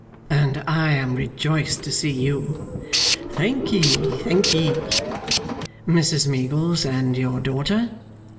'And I am rejoiced to see you.' 'Thank'ee. Thank'ee!' 'Mrs Meagles and your daughter